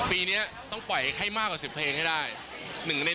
ปีนี้ต้องปล่อยให้มากกว่า๑๐เพลงให้ได้